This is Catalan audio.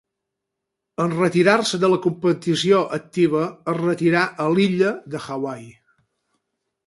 En retirar-se de la competició activa es retirà a l'illa de Hawaii.